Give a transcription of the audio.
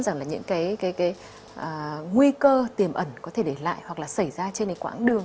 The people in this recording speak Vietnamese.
rằng là những cái nguy cơ tiềm ẩn có thể để lại hoặc là xảy ra trên cái quãng đường